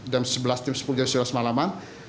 jam sebelas sepuluh dua puluh satu malaman